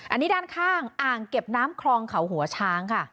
อันนี้ด้านข้างอ่างเก็บน้ำคลองเขาหัวช้างค่ะ